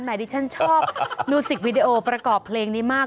ดิฉันชอบมิวสิกวีดีโอประกอบเพลงนี้มาก